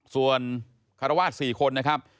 ส่วนฆราวาด๔คนนะครับ